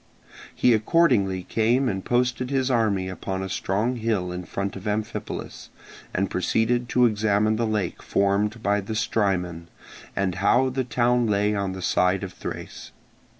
He accordingly came and posted his army upon a strong hill in front of Amphipolis, and proceeded to examine the lake formed by the Strymon, and how the town lay on the side of Thrace.